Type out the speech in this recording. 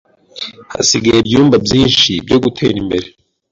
Hasigaye ibyumba byinshi byo gutera imbere.